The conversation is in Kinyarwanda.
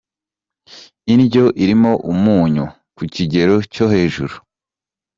Indyo irimo umunyu ku kigero cyo hejuru.